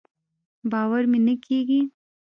باور مې نۀ کېږي.